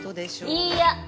いいや！